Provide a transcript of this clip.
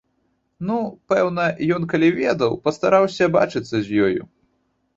Ну, пэўна, ён, калі ведаў, пастараўся бачыцца з ёю.